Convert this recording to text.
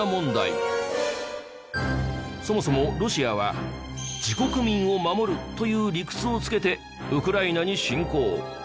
そもそもロシアは自国民を守るという理屈をつけてウクライナに侵攻。